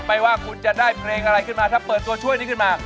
ไม่ว่าคุณจะได้เพลงอะไรขึ้นมาถ้าเปิดตัวช่วยนี้ขึ้นมา